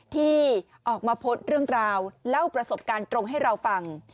ที่ออกมาโพสต์เรื่องราวเล่าประสบการณ์ตรงให้เราฟัง